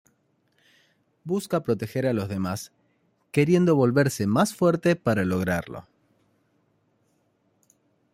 Busca proteger a los demás, queriendo volverse más fuerte para lograrlo.